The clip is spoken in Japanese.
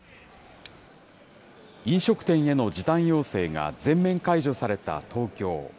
飲食店への時短要請が全面解除された東京。